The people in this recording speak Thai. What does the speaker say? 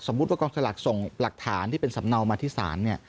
ว่ากองสลากส่งหลักฐานที่เป็นสำเนามาที่ศาลเนี่ย